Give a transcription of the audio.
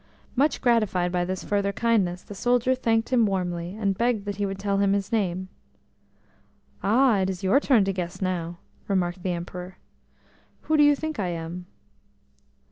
Much gratified by this further kindness, the soldier thanked him warmly, and begged that he would tell his name. "Ah! it is your turn to guess now," remarked the Emperor. "Who do you think I am?"